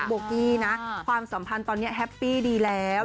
โบกี้นะความสัมพันธ์ตอนนี้แฮปปี้ดีแล้ว